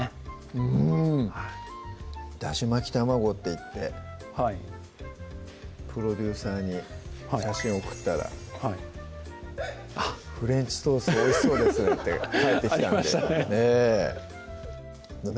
うんはい「だし巻き玉子」っていってはいプロデューサーに写真送ったらはい「フレンチトーストおいしそうですね」って返ってきたんでありましたね